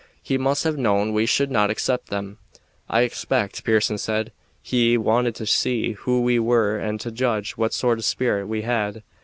"He must have known we should not accept them." "I expect," Pearson said, "he wanted to see who we were and to judge what sort of spirit we had.